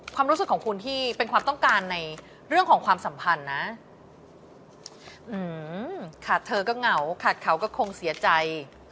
ความรู้สึกของคุณที่เป็นความต้องการในเรื่องของความสัมพันธ์นะขาดเธอก็เหงาขาดเขาก็คงเสียใจ